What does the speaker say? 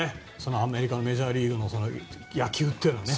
アメリカのメジャーリーグの野球っていうのはね。